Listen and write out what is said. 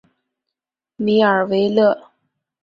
米尔维勒。